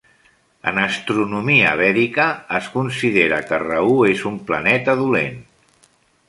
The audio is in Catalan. En astronomia Vèdica, es considera que Rahu és un planeta dolent.